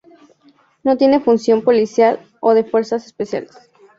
No tiene función policial o de fuerzas especiales.